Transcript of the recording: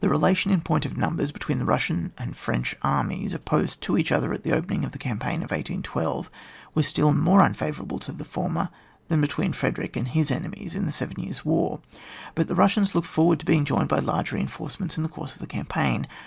The relation in point of numbers be tween the Bussian and French armies opposed to each other at the opening of the campaign in 1812 was still more un favourable to the former than that be tween Frederick and his enemies in the Seven Tears' War. But the Russians looked forward to being joined by large reinforcements in the course of the cam paign.